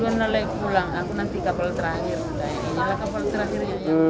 dulu nolai pulang aku nanti kapal terakhir